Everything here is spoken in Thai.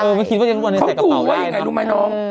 เออไม่คิดว่ายังรู้ว่านึงใส่กระเป๋าได้นะเขาดูไว้ยังไงรู้ไหมน้อง